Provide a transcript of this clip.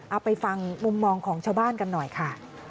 เอาไปฟังมุมมองของชาวบ้านกันหน่อยค่ะ